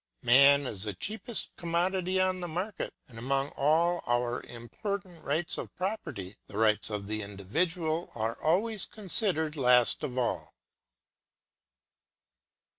Man is the cheapest commodity on the market, and among all our important rights of property, the rights of the individual are always considered last of all.